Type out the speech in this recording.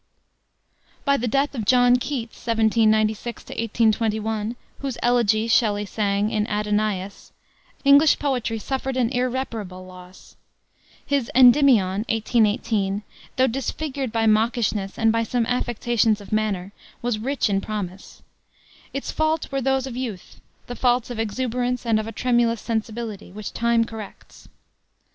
By the death of John Keats (1796 1821), whose elegy Shelley sang in Adonais, English poetry suffered an irreparable loss. His Endymion, 1818, though disfigured by mawkishness and by some affectations of manner, was rich in promise. Its faults were those of youth, the faults of exuberance and of a tremulous sensibility, which time corrects.